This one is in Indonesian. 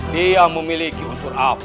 dia memiliki unsur api